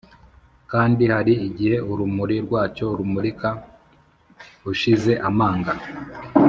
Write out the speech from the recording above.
kandi hari igihe urumuri rwacyo rumurika ushize amanga,